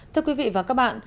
thưa quý vị và các bạn